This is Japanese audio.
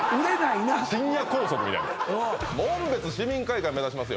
深夜高速みたいな紋別市民会館目指します